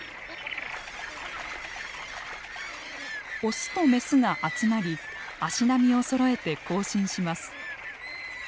オスとメスが集まり足並みをそろえて行進します。